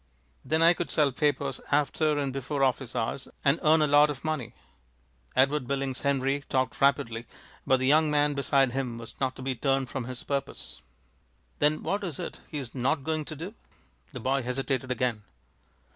Then I could sell papers after and before office hours, and earn a lot of money." Edward Billings Henry talked rapidly, but the young man beside him was not to be turned from his purpose. "Then what is it he's not going to do?" The boy hesitated again.